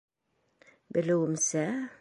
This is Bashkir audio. Белеүемсә...